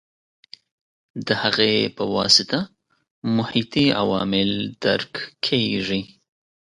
د هغې په واسطه محیطي عوامل درک کېږي.